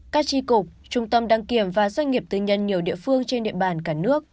các tri cục trung tâm đăng kiểm và doanh nghiệp tư nhân nhiều địa phương trên địa bàn cả nước